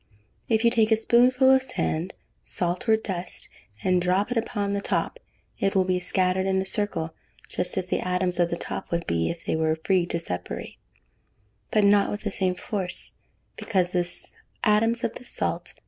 If you take a spoonful of sand, salt, or dust, and drop it upon the top, it will be scattered in a circle, just as the atoms of the top would be, if they were free to separate, but not with the same force, because the atoms of the salt, &c.